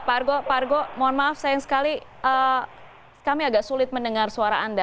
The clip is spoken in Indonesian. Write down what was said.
pak argo pak argo mohon maaf sayang sekali kami agak sulit mendengar suara anda